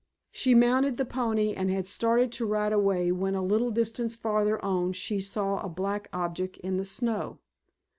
She mounted the pony and had started to ride away when a little distance farther on she saw a black object in the snow.